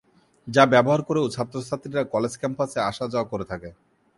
যা ব্যবহার করেও ছাত্র/ছাত্রীরা কলেজ ক্যাম্পাসে আসা যাওয়া করে থাকে।